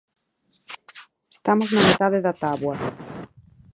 Estamos na metade da táboa.